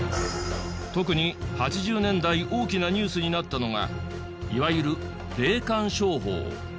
特に８０年代大きなニュースになったのがいわゆる霊感商法。